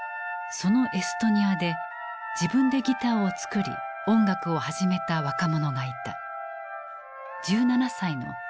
そのエストニアで自分でギターを作り音楽を始めた若者がいた。